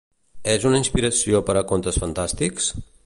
És una inspiració per a contes fantàstics?